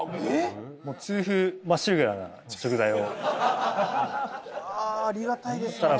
もう痛風まっしぐらな食材をありがたいですね